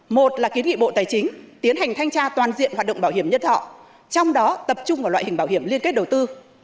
một là kiến nghị bộ tài chính tiến hành thanh tra toàn diện hoạt động bảo hiểm nhất họ trong đó tập trung vào loại hình bảo hiểm liên kết đầu tư